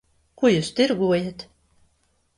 Ko jūs tirgojat?